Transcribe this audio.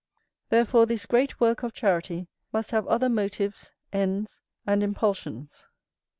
Therefore this great work of charity must have other motives, ends, and impulsions.